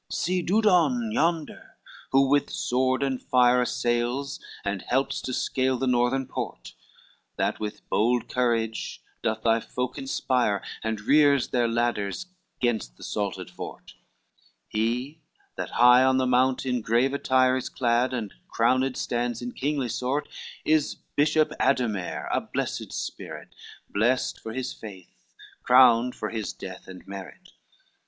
XCV "See Dudon yonder, who with sword and fire Assails and helps to scale the northern port, That with bold courage doth thy folk inspire And rears their ladders gainst the assaulted fort: He that high on the mount in grave attire Is clad, and crowned stands in kingly sort, Is Bishop Ademare, a blessed spirit, Blest for his faith, crowned for his death and merit.